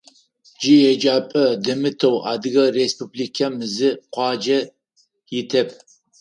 Джы еджапӏэ дэмытэу Адыгэ Республикэм зы къуаджэ итэп.